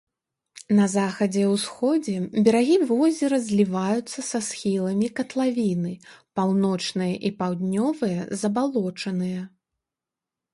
На захадзе і ўсходзе берагі возера зліваюцца са схіламі катлавіны, паўночныя і паўднёвыя забалочаныя.